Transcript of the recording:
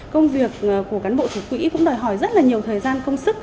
công việc của cán bộ thủ quỹ cũng đòi hỏi rất là nhiều thời gian công sức